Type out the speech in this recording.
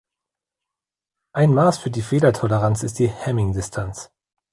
Ein Maß für die Fehlertoleranz ist die Hamming-Distanz.